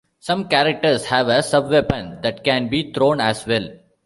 Some characters have a subweapon that can be thrown as well.